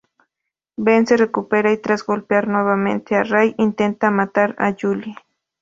Ben se recupera y tras golpear nuevamente a Ray, intenta matar a Julie.